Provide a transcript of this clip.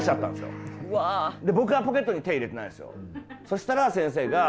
そうしたら先生が。